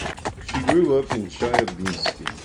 She grew up in Chelyabinsk.